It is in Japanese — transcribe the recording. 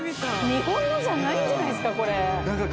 日本のじゃないんじゃないですか？